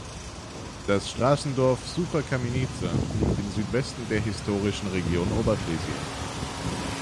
Das Straßendorf Sucha Kamienica liegt im Südwesten der historischen Region Oberschlesien.